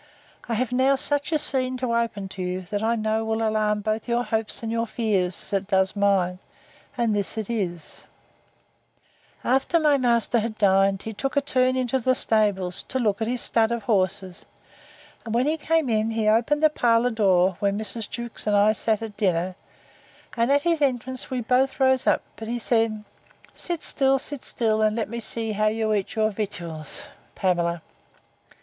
I have now such a scene to open to you, that, I know, will alarm both your hopes and your fears, as it does mine. And this it is: After my master had dined, he took a turn into the stables, to look at his stud of horses; and, when he came in, he opened the parlour door, where Mrs. Jewkes and I sat at dinner; and, at his entrance, we both rose up; but he said, Sit still, sit still, and let me see how you eat your victuals, Pamela.